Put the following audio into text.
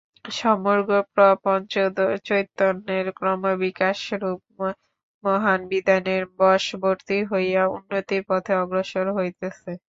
সমগ্র প্রপঞ্চ চৈতন্যের ক্রমবিকাশরূপ মহান বিধানের বশবর্তী হইয়া উন্নতির পথে অগ্রসর হইতেছে।